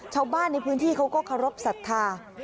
ชาวบ้านในพื้นที่เขาก็เคารพสัทธา